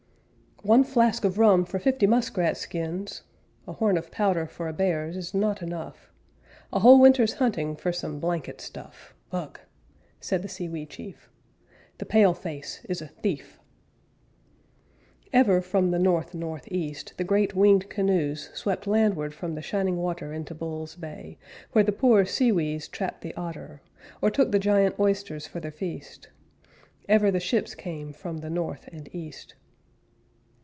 "_ "One flask of rum for fifty muskrat skins! A horn of powder for a bear's is not enough; A whole winter's hunting for some blanket stuff Ugh!" said the Sewee Chief, "The pale face is a thief!" Ever, from the north north east, The great winged canoes Swept landward from the shining water Into Bull's Bay, Where the poor Sewees trapped the otter, Or took the giant oysters for their feast Ever the ships came from the north and east.